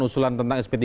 usulan tentang sp tiga